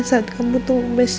saat kamu tumbes